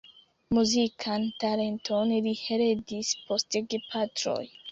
Muzikan talenton li heredis post gepatroj.